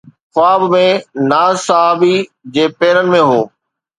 خواب ۾ ناز صحابي جي پيرن ۾ هو